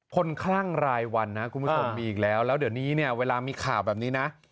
คลั่งรายวันนะคุณผู้ชมมีอีกแล้วแล้วเดี๋ยวนี้เนี่ยเวลามีข่าวแบบนี้นะ